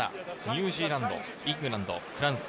ニュージーランド、イングランド、フランス。